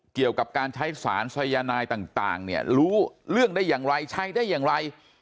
เกี่ยวกับการใช้สารสายนายต่างเนี่ยรู้เรื่องได้อย่างไรใช้ได้อย่างไร